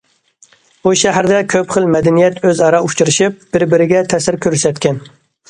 بۇ شەھەردە كۆپ خىل مەدەنىيەت ئۆز ئارا ئۇچرىشىپ، بىر- بىرىگە تەسىر كۆرسەتكەن.